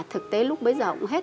thực tế lúc bây giờ cũng hết